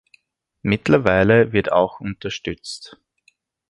Mittlerweile wird auch unterstützt.